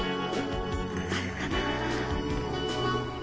あるかな？